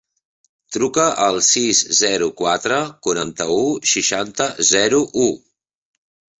Truca al sis, zero, quatre, quaranta-u, seixanta, zero, u.